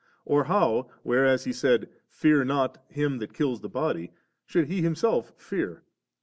or how, whereas He sai<^ ' Fear not him that kills the body *,' should He Himself fear